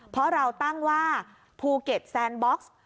เพราะเราตั้งว่าภูเก็ตแซนบ็อกซ์